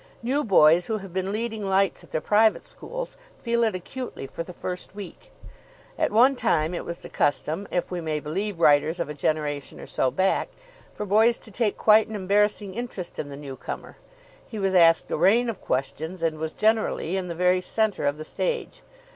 New boys who have been leading lights at their private schools feel it acutely for the first week. At one time it was the custom, if we may believe writers of a generation or so back, for boys to take quite an embarrassing interest in the newcomer. He was asked a rain of questions, and was, generally, in the very centre of the stage.